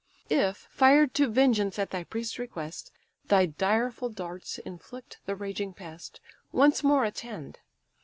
If, fired to vengeance at thy priest's request, Thy direful darts inflict the raging pest: Once more attend!